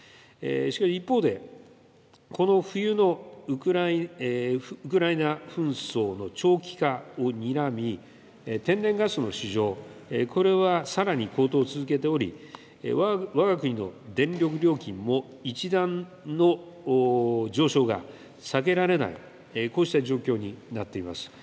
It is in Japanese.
しかし一方で、この冬のウクライナ紛争の長期化をにらみ、天然ガスの市場、これはさらに高騰を続けており、わが国の電力料金も一段の上昇が避けられない、こうした状況になっています。